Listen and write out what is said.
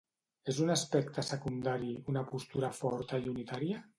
És un aspecte secundari una postura forta i unitària?